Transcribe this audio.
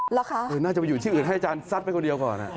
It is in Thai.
เหรอคะน่าจะไปอยู่ที่อื่นให้อาจารย์ซัดไปคนเดียวก่อน